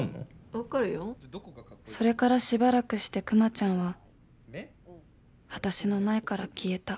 「それからしばらくして、くまちゃんは私の前から消えた」。